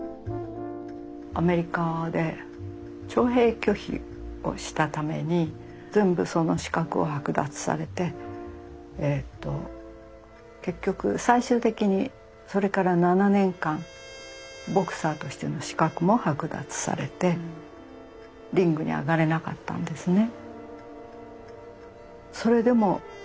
アメリカで徴兵拒否をしたために全部その資格を剥奪されて結局最終的にそれから７年間ボクサーとしての資格も剥奪されてリングに上がれなかったんですね。